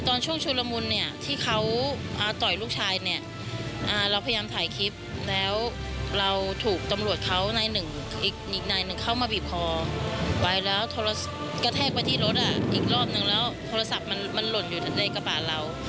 ตอนช่วงชุดละมุนเนี้ยที่เขาอ่าต่อยลูกชายเนี้ยอ่าเราพยายามถ่ายคลิปแล้วเราถูกตำลวดเขาในหนึ่งอีกหน่ายหนึ่งเข้ามาบีบคอไว้แล้วโทรศัพท์กระแทกไปที่รถอ่ะอีกรอบหนึ่งแล้วโทรศัพท์มันมันหล่นอยู่ในกระปะเรา